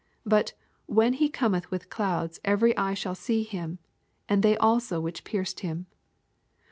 But " when He cometb with clouds every eye shall see Him, and they also which pierced Him."